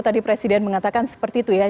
tadi presiden mengatakan seperti itu ya